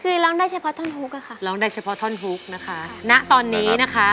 คือร้องได้เฉพาะท่อนฮุกอะค่ะร้องได้เฉพาะท่อนฮุกนะคะณตอนนี้นะคะ